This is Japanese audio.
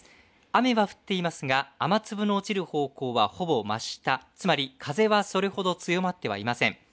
雨は降っていますが雨粒の落ちる方向はほぼ真下、つまり風はそれほど強まってはいません。